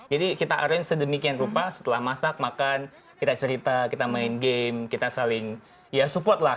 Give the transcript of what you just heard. jadi kita arrange sedemikian rupa setelah masak makan kita cerita kita main game kita saling ya support lah